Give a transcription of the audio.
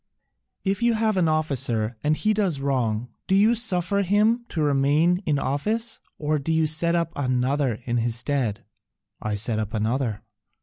"If you have an officer and he does wrong, do you suffer him to remain in office, or do you set up another in his stead?" "I set up another."